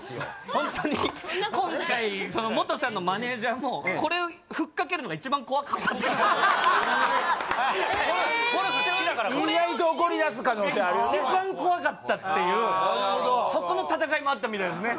ホントに今回モトさんのマネージャーもこれをふっかけるのが一番怖かったってえっゴルフ好きだから意外と怒りだす可能性あるよね一番怖かったっていうそこの戦いもあったみたいですね